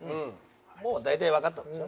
もう大体わかったでしょ。